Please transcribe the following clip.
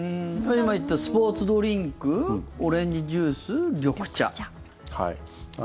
今言ったスポーツドリンクオレンジジュース、緑茶。